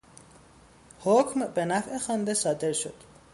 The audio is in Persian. حکم به نفع خوانده صادر شد.